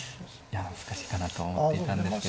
いや難しいかなとは思っていたんですけど